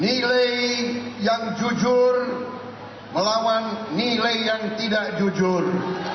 nilai yang jujur melawan nilai yang tidak jujur